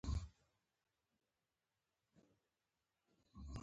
موږ به د سهار چاي وڅښو